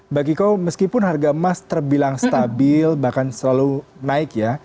mbak kiko meskipun harga emas terbilang stabil bahkan selalu naik ya